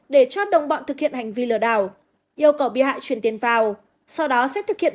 để cho đồng bọn thực hiện hành vi lừa đảo yêu cầu bị hại chuyển tiền vào sau đó sẽ thực hiện